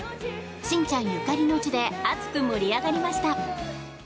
しんちゃんゆかりの地で熱く盛り上がりました。